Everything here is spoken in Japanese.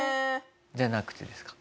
じゃなくてですか？